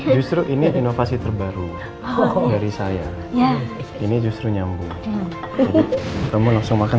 justru ini inovasi terbaru dari saya ini justru nyambung jadi kamu langsung makan